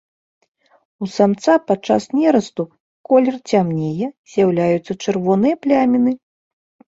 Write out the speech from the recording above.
У самца падчас нерасту колер цямнее, з'яўляюцца чырвоныя пляміны.